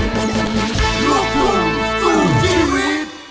โปรดติดตามตอนต่อไป